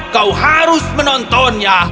kau harus menontonnya